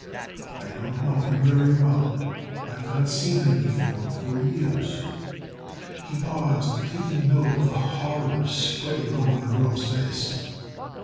I don't know him very well. I've not seen him before for years." He paused, taking note of the horror spreading over the girl's face.